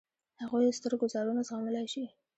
هغوی ستر ګوزارونه زغملای شي.